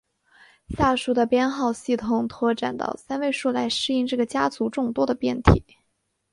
下述的编号系统拓展到三位数来适应这个家族众多的变体。